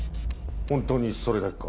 本当にそれだけか？